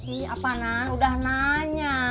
ih apaanan udah nanya